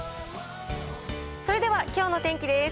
それではきょうの天気です。